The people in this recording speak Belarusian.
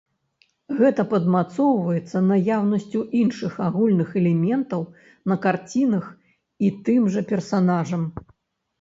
Гэта падмацоўваецца наяўнасцю іншых агульных элементаў на карцінах і тым жа персанажам.